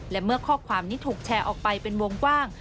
และเมื่อข้อความนี้ถูกแชร์ออกไปเป็นวงกว้าง